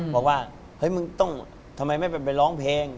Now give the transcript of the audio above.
บอกว่าเฮ้ยมึงต้องทำไมไม่ไปร้องเพลง